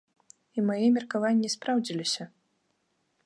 І мае меркаванні спраўдзіліся.